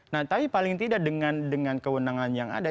nah tapi paling tidak dengan kewenangan yang ada